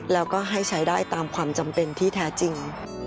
แล้วก็ให้ใช้ได้ตามความจำเป็นที่แท้จริง